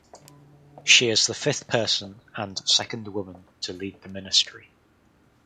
She is the fifth person and second woman to lead the Ministry.